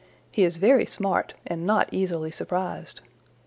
He is very smart and not easily surprised.